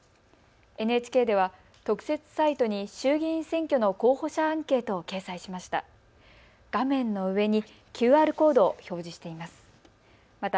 ＮＨＫでは特設サイトに衆議院選挙の候補者アンケートを掲載しました。